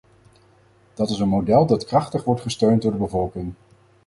Dat is een model dat krachtig wordt gesteund door de bevolking.